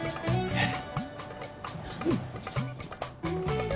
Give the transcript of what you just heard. えっ！